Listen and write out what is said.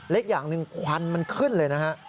อีกอย่างหนึ่งควันมันขึ้นเลยนะฮะ